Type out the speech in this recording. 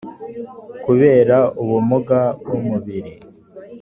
kubera ubumuga bw’umubiri